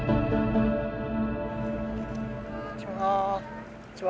こんにちは。